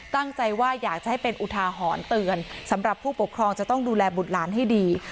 ตั้งใจว่าอยากจะให้เป็นอุทาหรณ์เตือนสำหรับผู้ปกครองจะต้องดูแลบุตรหลานให้ดี